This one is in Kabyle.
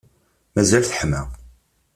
Mazal teḥma.